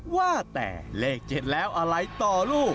ว่าแต่เลข๗แล้วอะไรต่อลูก